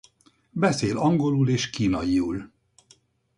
Beszél angolul és kínaiul.